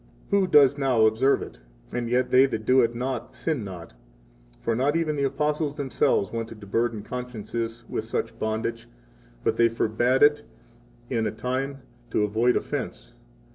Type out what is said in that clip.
Who does now observe it? And yet they that do it not sin not; for not even the Apostles themselves wanted to burden consciences with such bondage; but they forbade it for a time, to avoid offense.